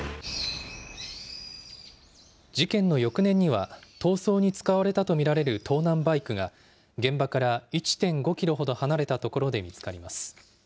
事件の翌年には、逃走に使われたと見られる盗難バイクが、現場から１．５キロほど離れた所で見つかります。